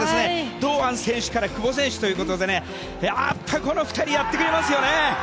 堂安選手から久保選手ということでやっぱり、この２人やってくれますよね！